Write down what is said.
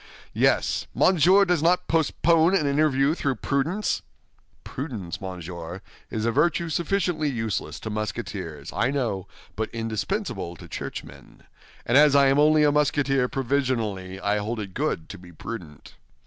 "Yes. Monsieur does not postpone an interview through prudence?" "Prudence, monsieur, is a virtue sufficiently useless to Musketeers, I know, but indispensable to churchmen; and as I am only a Musketeer provisionally, I hold it good to be prudent.